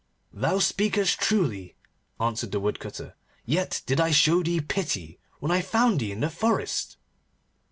'Thou speakest truly,' answered the Woodcutter, 'yet did I show thee pity when I found thee in the forest.